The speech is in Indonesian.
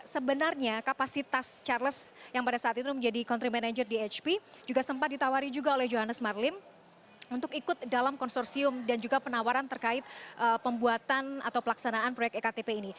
sebenarnya kapasitas charles yang pada saat itu menjadi country manager di hp juga sempat ditawari juga oleh johannes marlim untuk ikut dalam konsorsium dan juga penawaran terkait pembuatan atau pelaksanaan proyek ektp ini